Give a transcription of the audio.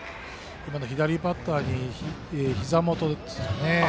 左バッターのひざ元ですかね。